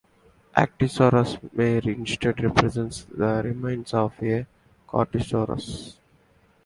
"Actiosaurus" may instead represent the remains of a choristodere.